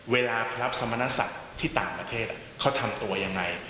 เวลาพระสมณศักดิ์ที่ต่างประเทศเขาทำตัวยังไง